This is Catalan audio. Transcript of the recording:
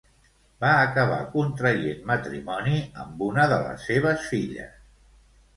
Va acabar contraient matrimoni amb una de les seves filles.